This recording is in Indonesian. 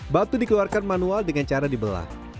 batu dikeluarkan manual dengan cara dibelah